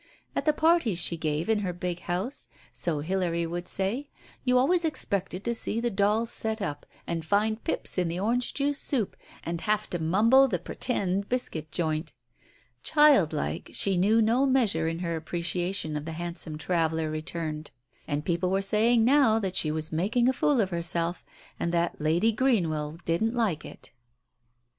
At the parties she gave in her big house, so Hilary would say, you always expected to see the dolls set up, and find pips in the orange juice soup, and have to mumble the "pretend " biscuit joint. Child like, she knew no measure in her appreciation of the handsome traveller returned, and people were saying now that she was making a fool of herself, and that Lady Greenwell didn't like it.